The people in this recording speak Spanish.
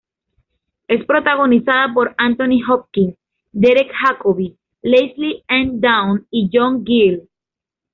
Es protagonizada por Anthony Hopkins, Derek Jacobi, Lesley-Anne Down y John Gielgud.